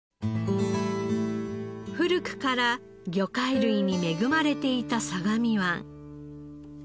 古くから魚介類に恵まれていた相模湾。